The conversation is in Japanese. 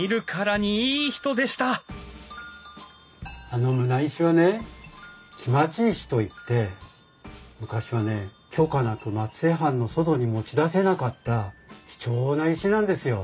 あの棟石はね来待石といって昔はね許可なく松江藩の外に持ち出せなかった貴重な石なんですよ。